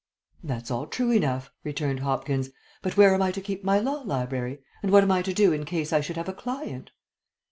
"That's all true enough," returned Hopkins, "but where am I to keep my law library? And what am I to do in case I should have a client?"